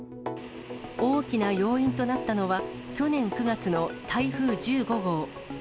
大きな要因となったのは、去年９月の台風１５号。